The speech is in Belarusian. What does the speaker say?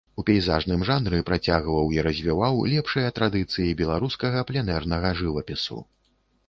У пейзажным жанры працягваў і развіваў лепшыя традыцыі беларускага пленэрнага жывапісу.